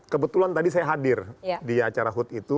kebetulan tadi saya hadir di acara hut itu